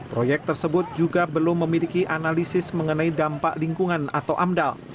proyek tersebut juga belum memiliki analisis mengenai dampak lingkungan atau amdal